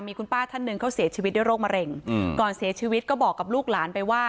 มีคุณป้าท่านหนึ่งเขาเสียชีวิตด้วยโรคมะเร็งก่อนเสียชีวิตก็บอกกับลูกหลานไปว่า